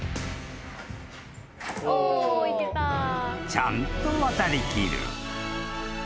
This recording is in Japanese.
［ちゃんと渡りきる］